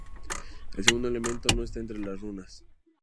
El segundo elemento no está entre las runas.